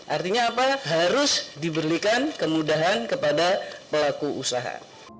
artinya apa harus diberikan kemudahan kepada pelaku usaha